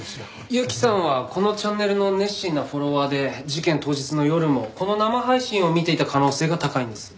雪さんはこのチャンネルの熱心なフォロワーで事件当日の夜もこの生配信を見ていた可能性が高いんです。